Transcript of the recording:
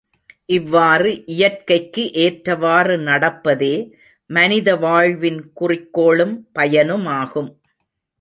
இவ்வாறு இயற்கைக்கு ஏற்றவாறு நடப்பதே மனித வாழ்வின் குறிக்கோளும், பயனுமாகும்.